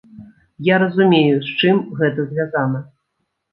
Я разумею, з чым гэта звязана.